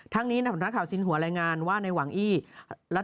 ทั้งนี้นัทมูลค่าข่าวสิทธิ์หัวแหลงานว่าในหวังอีห์